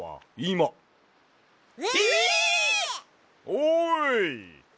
おい！